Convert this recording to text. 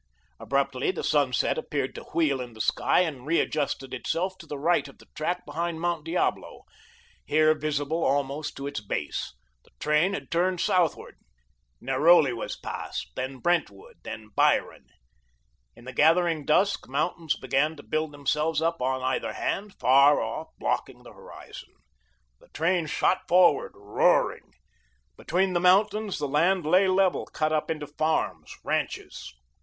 Abruptly the sunset appeared to wheel in the sky and readjusted itself to the right of the track behind Mount Diablo, here visible almost to its base. The train had turned southward. Neroly was passed, then Brentwood, then Byron. In the gathering dusk, mountains began to build themselves up on either hand, far off, blocking the horizon. The train shot forward, roaring. Between the mountains the land lay level, cut up into farms, ranches.